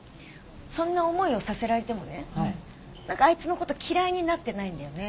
そんな思いをさせられてもね何かあいつのこと嫌いになってないんだよね。